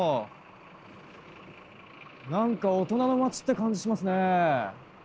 何か大人の街って感じしますね。